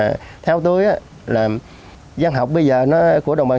cho nên là theo tôi á là giàn học bây giờ của đồng bằng xuân quang long hiện giờ nó rất tốt nhất